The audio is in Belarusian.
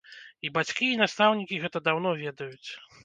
І бацькі, і настаўнікі гэта даўно ведаюць.